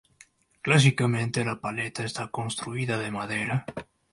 Clásicamente la paleta está construida de madera.